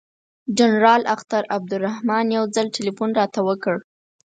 جنرال اختر عبدالرحمن یو ځل تلیفون راته وکړ.